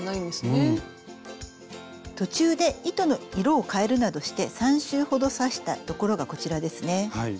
途中で糸の色をかえるなどして３周ほど刺した所がこちらですね。